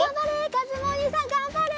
かずむおにいさんがんばれ！